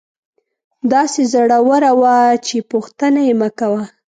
داسې زړوره وه چې پوښتنه یې مکوه.